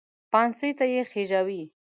پانسۍ ته یې خېژاوې.